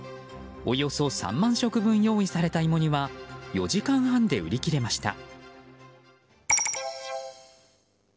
およそ３万食分用意された芋煮は４時間半で売り切れました。